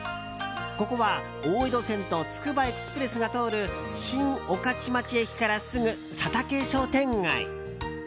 ここは大江戸線とつくばエクスプレスが通る新御徒町駅からすぐ、佐竹商店街。